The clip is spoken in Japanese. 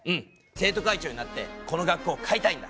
生徒会長になってこの学校を変えたいんだ！